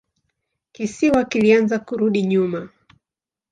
Kisiwa kilianza kurudi nyuma.